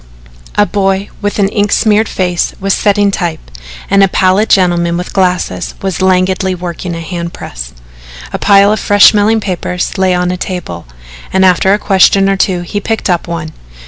A boy with an ink smeared face was setting type and a pallid gentleman with glasses was languidly working a hand press. A pile of fresh smelling papers lay on a table, and after a question or two he picked up one.